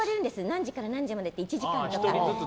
何時から何時までで１時間とか。